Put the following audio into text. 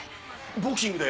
ボクシングで？